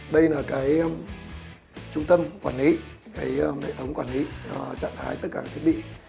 đây là cái trung tâm quản lý cái hệ thống quản lý trạng thái tất cả các thiết bị